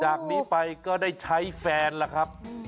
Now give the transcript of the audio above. จากนี้ไปก็ได้ใช้แฟนล่ะครับ